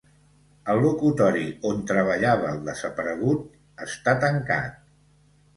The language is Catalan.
El locutori on treballava el desaparegut està tancat.